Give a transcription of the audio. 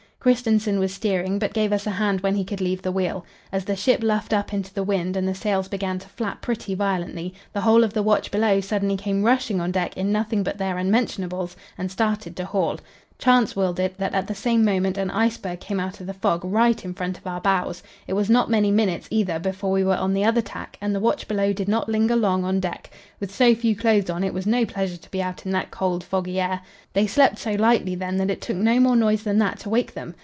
Kristensen was steering, but gave us a hand when he could leave the wheel. As the ship luffed up into the wind and the sails began to flap pretty violently, the whole of the watch below suddenly came rushing on deck in nothing but their unmentionables and started to haul. Chance willed it that at the same moment an iceberg came out of the fog, right in front of our bows. It was not many minutes, either, before we were on the other tack, and the watch below did not linger long on deck. With so few clothes on it was no pleasure to be out in that cold, foggy air. They slept so lightly, then, that it took no more noise than that to wake them.